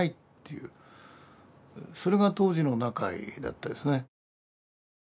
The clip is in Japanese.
それが当時の中井だったですね。